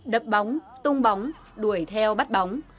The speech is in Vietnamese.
đập bóng tung bóng đuổi theo bắt bóng